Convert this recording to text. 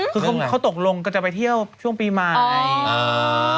คือเขาตกลงก็จะไปเที่ยวช่วงปีใหม่